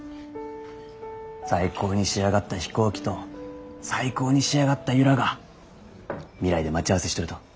最高に仕上がった飛行機と最高に仕上がった由良が未来で待ち合わせしとると。